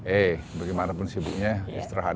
eh bagaimanapun sibuknya istirahat